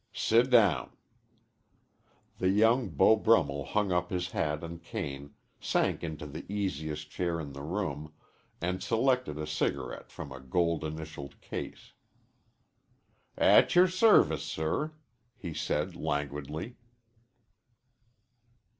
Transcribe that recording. "Sit down." The young Beau Brummel hung up his hat and cane, sank into the easiest chair in the room, and selected a cigarette from a gold initialed case. "At your service, sir," he said languidly.